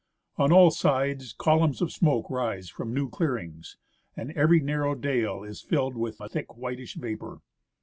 On all sides columns of smoke rise from new clearings, and every narrow dale is filled with a thick whitish vapour.